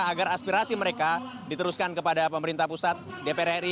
agar aspirasi mereka diteruskan kepada pemerintah pusat dpr ri